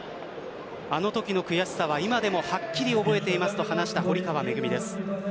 あのときの悔しさは今でもはっきり覚えていますと話した堀川恵です。